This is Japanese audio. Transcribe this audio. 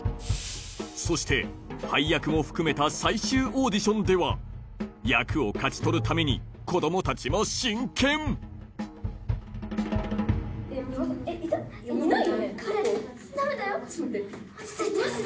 そして配役を含めた最終オーディションでは役を勝ち取るために子供たちも真剣花恋ダメだよ落ち着いて。